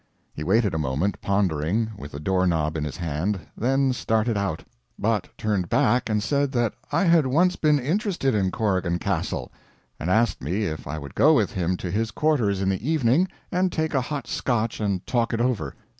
He waited a moment, pondering, with the door knob in his hand, then started out; but turned back and said that I had once been interested in Corrigan Castle, and asked me if I would go with him to his quarters in the evening and take a hot Scotch and talk it over.